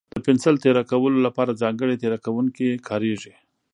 د پنسل تېره کولو لپاره ځانګړی تېره کوونکی کارېږي.